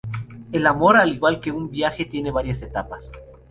El amor, al igual que un viaje, tiene varias etapas.